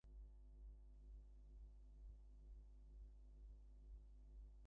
Pacheco did not reach an understanding with the new president and resigned.